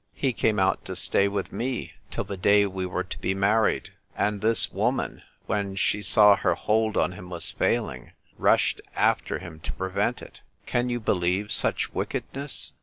He came out to stay with me till the day we were to be married. And this woman, when she saw her hold on him was failing, rushed after him to prevent it. Can you believe such wickedness